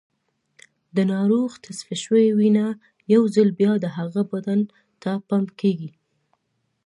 د ناروغ تصفیه شوې وینه یو ځل بیا د هغه بدن ته پمپ کېږي.